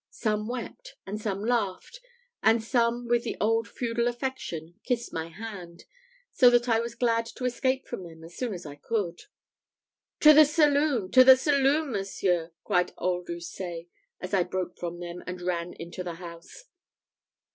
Some wept, and some laughed, and some, with the old feudal affection, kissed my hand; so that I was glad to escape from them as soon as I could. "To the saloon! to the saloon! monseigneur," cried old Houssaye, as I broke from them, and ran into the house.